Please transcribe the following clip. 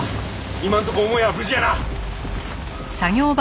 今んとこ母屋は無事やな。